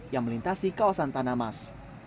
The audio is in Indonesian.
yang melintasi kawasan tanamas